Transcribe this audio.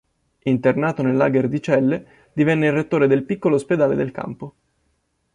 Internato nel lager di Celle, divenne il rettore del piccolo ospedale del campo.